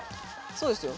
そうですよ。